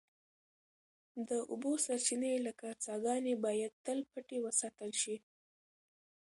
د اوبو سرچینې لکه څاګانې باید تل پټې وساتل شي.